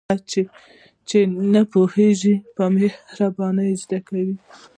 هغه څه چې نه پوهیږو په مهربانۍ را زده کوي.